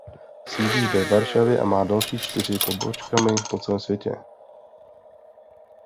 Sídlí ve Varšavě a má další čtyři pobočkami po celém světě.